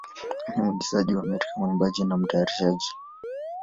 ni mwigizaji wa Amerika, mwimbaji, na mtayarishaji.